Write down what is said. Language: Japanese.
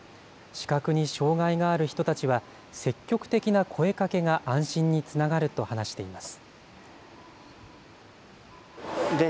視覚に障害がある人たちは、積極的な声かけが安心につながると話しています。